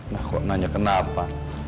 nah kok nanya kenapa